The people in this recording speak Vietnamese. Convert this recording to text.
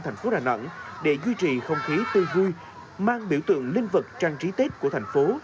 thành phố đà nẵng để duy trì không khí tươi vui mang biểu tượng linh vật trang trí tết của thành phố